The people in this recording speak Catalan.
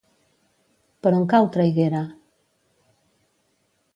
Per on cau Traiguera?